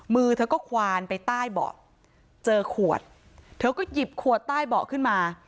มือเธอก็ควานไปใต้เบาะเจอขวดเธอก็หยิบขวดใต้เบาะขึ้นมา